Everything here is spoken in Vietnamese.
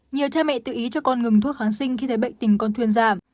nhiều cha mẹ tự ý cho con ngừng thuốc kháng sinh khi thấy bệnh tình con thuyền giảm